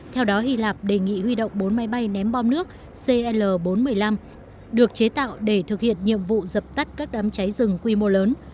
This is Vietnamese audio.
theo đó hy lạp đề nghị huy động bốn máy bay ném bom nước cl bốn trăm một mươi năm được chế tạo để thực hiện nhiệm vụ dập tắt các đám cháy rừng quy mô lớn